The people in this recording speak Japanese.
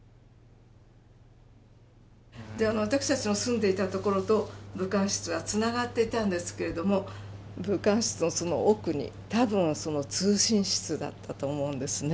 私たちの住んでいた所と武官室はつながっていたんですけれども武官室のその奥に多分通信室だったと思うんですね。